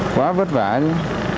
quá vất vả chứ